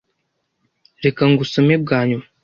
Reka ngusome bwa nyuma.